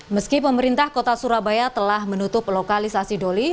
meski pemerintah kota surabaya telah menutup lokalisasi doli